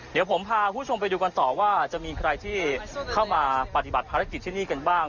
เดี๋ยวผมพาคุณผู้ชมไปดูกันต่อว่าจะมีใครที่เข้ามาปฏิบัติภารกิจที่นี่กันบ้าง